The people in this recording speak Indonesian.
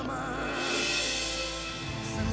saat satu kolom